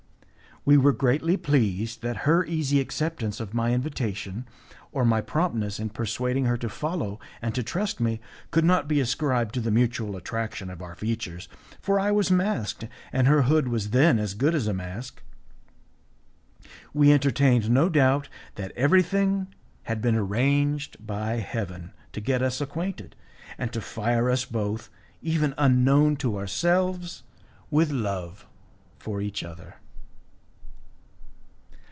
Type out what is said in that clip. We were greatly pleased that her easy acceptance of my invitation, or my promptness in persuading her to follow and to trust me, could not be ascribed to the mutual attraction of our features, for I was masked, and her hood was then as good as a mask. We entertained no doubt that everything had been arranged by Heaven to get us acquainted, and to fire us both, even unknown to ourselves, with love for each other.